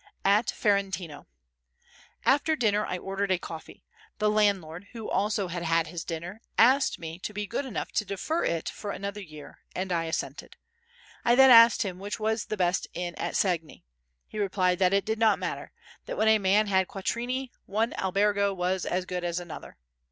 At Ferentino After dinner I ordered a coffee; the landlord, who also had had his dinner, asked me to be good enough to defer it for another year and I assented. I then asked him which was the best inn at Segni. He replied that it did not matter, that when a man had quattrini one albergo was as good as another.